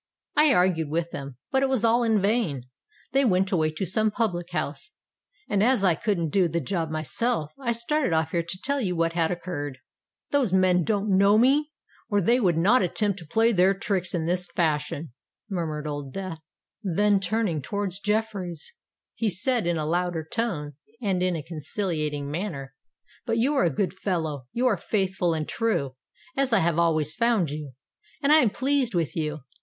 I argued with them—but it was all in vain: they went away to some public house; and as I couldn't do the job myself, I started off here to tell you what had occurred." "Those men don't know me, or they would not attempt to play their tricks in this fashion," murmured Old Death: then, turning towards Jeffreys, he said in a louder tone, and in a conciliating manner, "But you are a good fellow—you are faithful and true, as I always found you; and I am pleased with you.